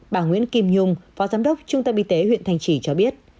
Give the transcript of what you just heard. bà nguyễn kim nhung phó giám đốc trung tâm y tế huyện thanh trì cho biết